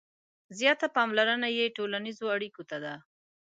• زیاته پاملرنه یې ټولنیزو اړیکو ته ده.